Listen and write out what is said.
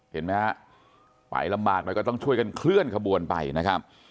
เห็นมั้ยฮะไหลลำบากไปก็ต้องช่วยกันเคลื่อนขบวนไปนะครับ